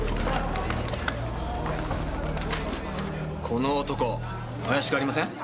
この男怪しくありません？